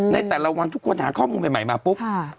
ในแต่ละวันทุกคนหาข้อมูลใหม่มาปุ๊บ